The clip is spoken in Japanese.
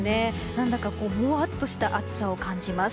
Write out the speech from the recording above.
何だかもわっとした暑さを感じます。